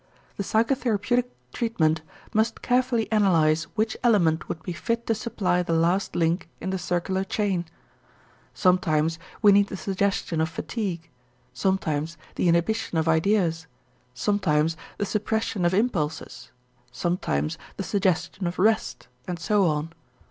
The psychotherapeutic treatment must carefully analyze which element would be fit to supply the last link in the circular chain. Sometimes we need the suggestion of fatigue, sometimes the inhibition of ideas, sometimes the suppression of impulses, sometimes the suggestion of rest, and so on.